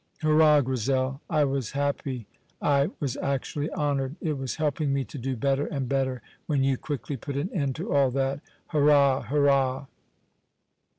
Hurrah! Grizel, I was happy, I was actually honoured, it was helping me to do better and better, when you quickly put an end to all that. Hurrah, hurrah!"